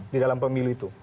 di dalam pemilih itu